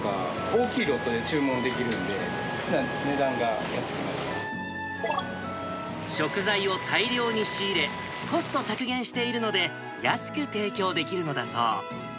大きいロットで注文できるの食材を大量に仕入れ、コスト削減しているので、安く提供できるのだそう。